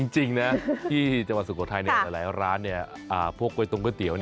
จริงนะที่จังหวัดสุโขทัยหลายร้านพวกก๋วยตรงก๋วยเตี๋ยว